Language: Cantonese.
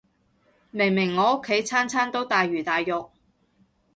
明明我屋企餐餐都大魚大肉